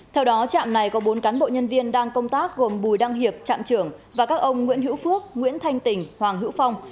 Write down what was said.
theo đó trạm này có bốn cán bộ nhân viên đang công tác gồm bùi đăng hiệp trạm trưởng và các ông nguyễn hữu phước nguyễn thanh tình hoàng hữu phong